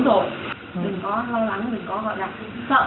đừng có lo lắng đừng có sợ